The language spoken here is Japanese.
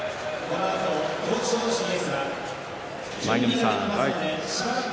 舞の海さん